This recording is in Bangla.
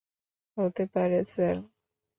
হতে পারে, স্যার।